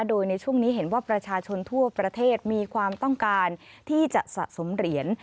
โดยในช่วงนี้เห็นว่าประชาชนทั่วประเทศมีความต้องการที่จะสะสมเหรียญ